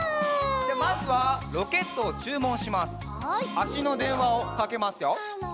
あしのでんわをかけますよ。